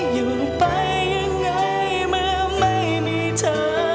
อยู่ไปยังไงเมื่อไม่มีเธอ